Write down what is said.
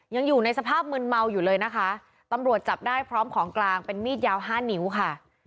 ยังอยู่ในสภาพมืนเมาอยู่เลยนะคะตำรวจจับได้พร้อมของกลางเป็นมีดยาวห้านิ้วค่ะ